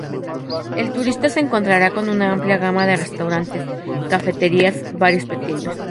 El turista se encontrará con una amplia gama de restaurantes, cafeterías bares pequeños.